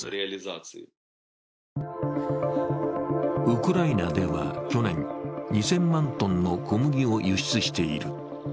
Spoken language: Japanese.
ウクライナでは去年、２０００万トンの小麦を輸出している。